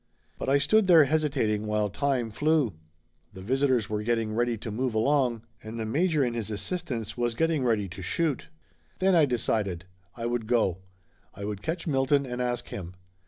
But I stood there hesitating while time flew. The 142 Laughter Limited visitors was getting ready to move along and the major and his assistants was getting ready to shoot. Then I decided. I would go. I would catch Milton and ask him.